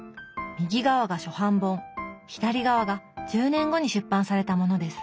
右側が初版本左側が１０年後に出版されたものです。